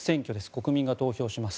国民が投票します。